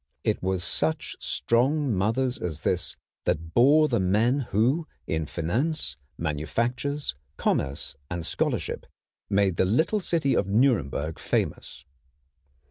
It was such strong mothers as this that bore the men who in finance, manufactures, commerce, and scholarship made the little city of Nuremberg famous.